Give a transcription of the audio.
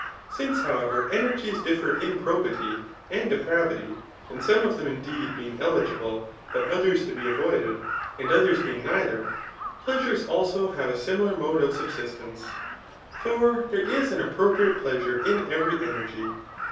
Since, however, energies differ in probity and depra vity, and some of them indeed being eligible, but others to be avoided, and others being neither, pleasures alio have a similar mode of subsistence ; for there is an ap propriate pleasure in every energy.